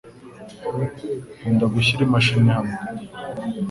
Nkunda gushyira imashini hamwe.